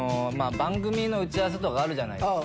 番組の打ち合わせとかあるじゃないですか。